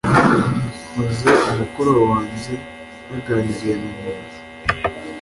Nkoze umukoro wanjye, naganiriye na Mama.